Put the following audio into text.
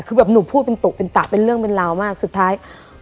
คือแบบหนูพูดเป็นตุเป็นตะเป็นเรื่องเป็นราวมากสุดท้าย